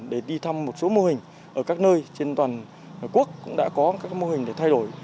để đi thăm một số mô hình ở các nơi trên toàn quốc cũng đã có các mô hình để thay đổi